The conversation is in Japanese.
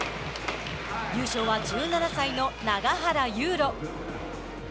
優勝は、１７歳の永原悠路。